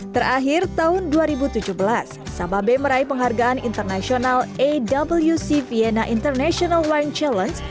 terakhir tahun dua ribu tujuh belas sababe meraih penghargaan internasional awc vienna international wine challenge